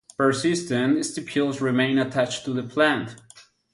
Persistent stipules remain attached to the plant.